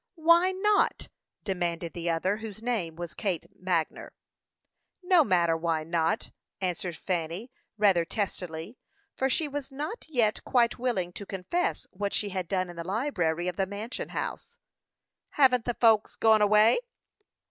"Why not?" demanded the other, whose name was Kate Magner. "No matter why not," answered Fanny, rather testily, for she was not yet quite willing to confess what she had done in the library of the mansion house. "Haven't the folks gone away?"